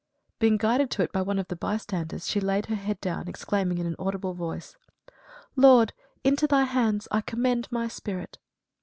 Being guided to it by one of the bystanders, she laid her head down, exclaiming, in an audible voice: "Lord, into thy hands I commend my spirit."